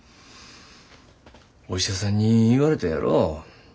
お医者さんに言われたやろ。